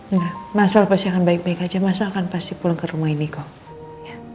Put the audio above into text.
nah masalah pasti akan baik baik aja masa akan pasti pulang ke rumah ini kok